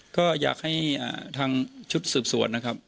ก็อยากให้ทางชุดสืบสวนนะครับ